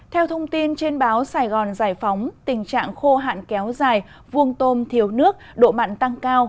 theo thông tin trên báo sài gòn giải phóng tình trạng khô hạn kéo dài vuông tôm thiếu nước độ mặn tăng cao